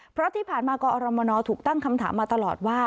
เพราะที่ผ่านมากอรมนถูกตั้งคำถามมาตลอดว่า